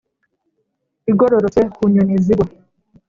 igororotse, ku nyoni zigwa.